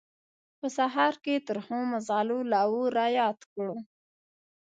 په سهار کې ترخو مسالو لاهور را یاد کړو.